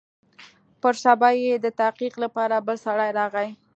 پر سبا يې د تحقيق لپاره بل سړى راغى.